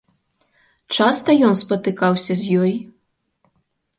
Часта ён спатыкаўся з ёй?